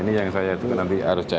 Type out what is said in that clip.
ini yang saya nanti harus cek